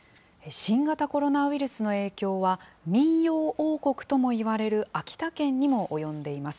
新型コロナウイルスの影響は、民謡王国ともいわれる秋田県にも及んでいます。